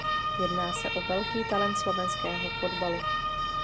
Jedná se o velký talent slovenského fotbalu.